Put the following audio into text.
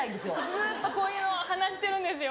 ずっとこういうのを話してるんですよ